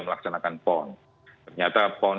melaksanakan pon ternyata pon